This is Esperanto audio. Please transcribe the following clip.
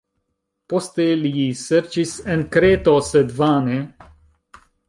Poste, li serĉis en Kreto, sed vane.